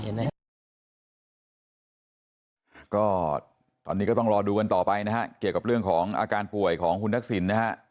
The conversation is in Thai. ตอนนี้ก็ต้องรอดูกันต่อไปเกี่ยวกับเรื่องอาการป่วยของคุณทักษิณ